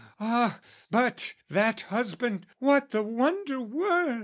"Ah, but that husband, what the wonder were!